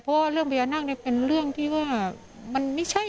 เพราะว่าเรื่องพญานาคเนี่ยเป็นเรื่องที่ว่ามันไม่ใช่